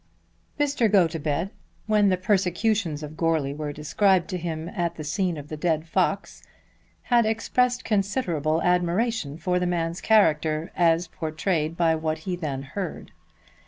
Mr. Gotobed, when the persecutions of Goarly were described to him at the scene of the dead fox, had expressed considerable admiration for the man's character as portrayed by what he then heard.